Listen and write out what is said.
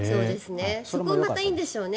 そこもまたいいんでしょうね。